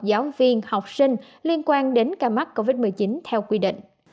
giáo viên học sinh liên quan đến ca mắc covid một mươi chín theo quy định